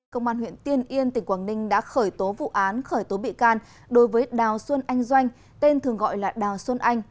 công an huyện tiên yên tỉnh quảng ninh đã khởi tố vụ án khởi tố bị can đối với đào xuân anh doanh tên thường gọi là đào xuân anh